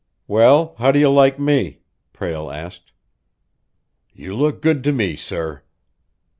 "Well, how do you like me?" Prale asked. "You look good to me, sir."